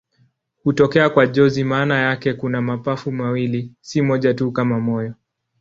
Hutokea kwa jozi maana yake kuna mapafu mawili, si moja tu kama moyo.